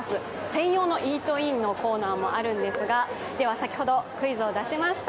専用のイートインのコーナーもあるんですが先ほど、クイズを出しました